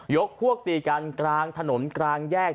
พวกตีกันกลางถนนกลางแยก